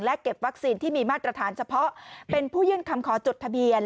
เก็บวัคซีนที่มีมาตรฐานเฉพาะเป็นผู้ยื่นคำขอจดทะเบียน